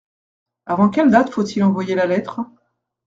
Avant quelle date faut-il envoyer la lettre ?